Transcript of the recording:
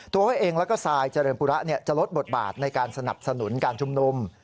ตัวเองแล้วก็ทรายเจริญปุระจะลดบทบาทในการสนับสนุนการชุมนุม